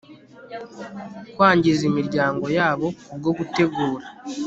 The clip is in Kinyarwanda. kwangiza imiryango yabo kubwo gutegura